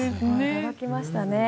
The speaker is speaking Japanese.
驚きましたね。